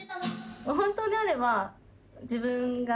本当であれば。